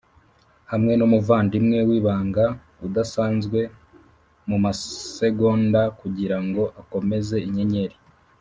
hamwe numuvandimwe wibanga udasanzwe mumasegonda kugirango akomeze inyenyeri,